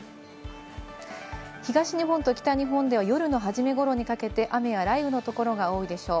東日本と北日本では夜の始め頃にかけて、雨や雷雨の所が多いでしょう。